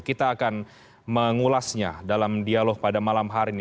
kita akan mengulasnya dalam dialog pada malam hari ini